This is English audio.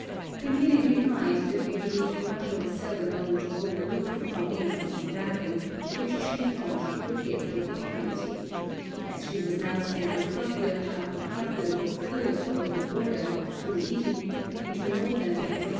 We merely replied that we believed Russia was seldom known to hold aloof from anything of value, which she thought she could get with impunity. As she was now sending cart load after cart load of goods over the border, through Hi, into northern and western VI 205 7%'.: ..; fe \,, ■f "':.% V t.